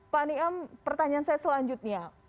pak niam pertanyaan saya selanjutnya